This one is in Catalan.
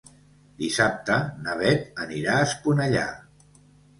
Dissabte na Beth anirà a Esponellà.